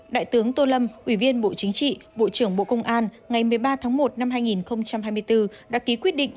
đại tướng tô lâm ủy viên bộ chính trị bộ trưởng bộ công an ngày một mươi ba tháng một năm hai nghìn hai mươi bốn đã ký quyết định